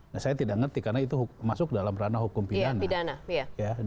nah saya tidak mengerti karena itu masuk dalam ranah hukum pidana